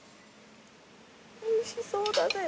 おいしそうだぜ。